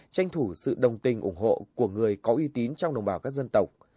tranh thủ sự đồng tình ủng hộ của người có uy tín trong đồng bào các dân tộc